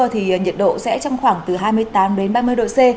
thì nhiệt độ sẽ trong khoảng từ hai mươi tám đến ba mươi độ c